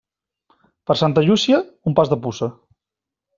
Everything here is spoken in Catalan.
Per Santa Llúcia, un pas de puça.